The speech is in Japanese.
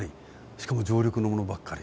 しかも常緑のものばっかり。